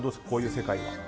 こういう世界は。